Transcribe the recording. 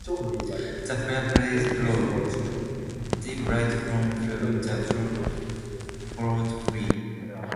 The fair breeze blew, the white foam flew, the furrow followed free.